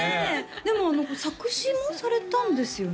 でも作詞もされたんですよね？